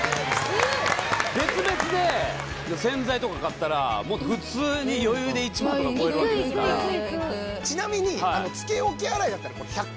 別々で洗剤とか買ったらもっと普通に余裕で１万とか超えるわけですからちなみにえっ！